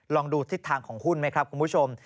ลองดูทิศทางของหุ้นไหมครับคุณผู้ชม